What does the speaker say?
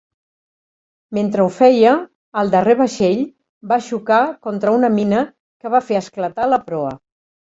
Mentre ho feia, el darrer vaixell va xocar contra una mina que va fer esclatar la proa.